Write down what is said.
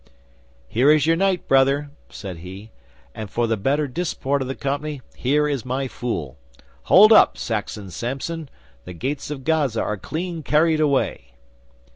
'"Here is your knight, Brother," said he, "and for the better disport of the company, here is my fool. Hold up, Saxon Samson, the gates of Gaza are clean carried away!"